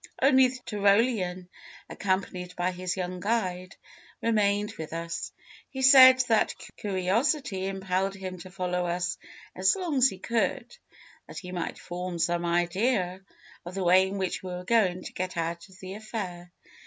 Only the Tyrolean, accompanied by his young guide, remained with us. He said that curiosity impelled him to follow us as long as he could, that he might form some idea of the way in which we were going to get out of the affair.